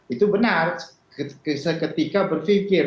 itu benar seketika berfikir